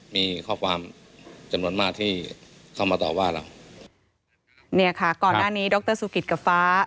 มีข้อความจำนวนมากที่เข้ามาต่อว่าเราเนี่ยค่ะก่อนหน้านี้ดรสุกิตกับฟ้า